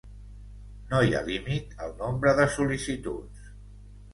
No hi ha límit al nombre de sol·licituds.